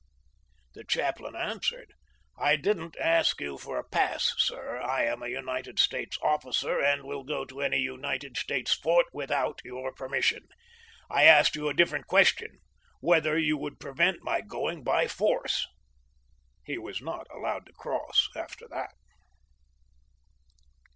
The chaplain answered :" I didn't ask you for a pass, sir. I am a United States officer, and will go to any United States fort without your permission. I asked you a different question: whether you would prevent my going by force." He was not allowed to cross, after that.